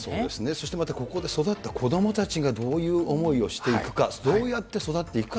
そしてまたここで育った子どもたちがどういう思いをしていくか、どうやって育っていくか。